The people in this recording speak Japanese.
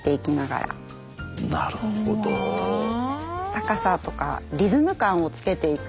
高さとかリズム感をつけていく。